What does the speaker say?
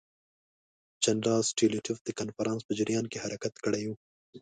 جنرال ستولیتوف د کنفرانس په جریان کې حرکت کړی وو.